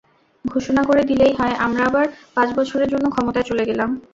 ঘোষণা করে দিলেই হয়, আমরা আবার পাঁচ বছরের জন্য ক্ষমতায় চলে গেলাম।